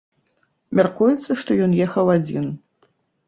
Мяркуецца, што ён ехаў адзін.